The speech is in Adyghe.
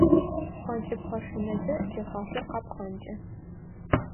Пхъэнкӏыпхъэ шынэкӏэ джэхашъор къапхъэнкӏы.